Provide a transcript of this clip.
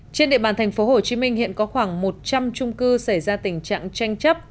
trên địa bàn thành phố hồ chí minh hiện có khoảng một trăm linh trung cư xảy ra tình trạng tranh chấp